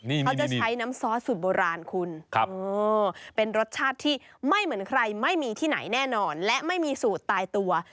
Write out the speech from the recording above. เขาจะใช้น้ำซอสสูตรโบราณคุณเป็นรสชาติที่ไม่เหมือนใครไม่มีที่ไหนแน่นอนและไม่มีสูตรตายตัว